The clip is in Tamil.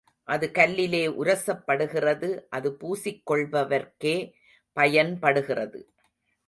அது கல்லிலே உரசப்படுகிறது அது பூசிக்கொள்பவர்க்கே பயன்படுகிறது.